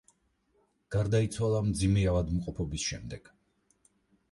გარდაიცვალა მძიმე ავადმყოფობის შემდეგ.